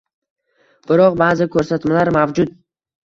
Biroq baʼzi ko‘rsatmalar mavjud.